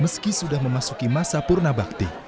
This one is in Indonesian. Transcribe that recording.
meski sudah memasuki masa purna bakti